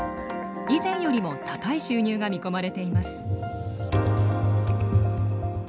以前よりも高い収入が見込まれています。